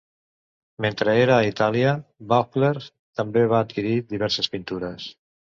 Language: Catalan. Mentre era a Itàlia, Beauclerk també va adquirir diverses pintures.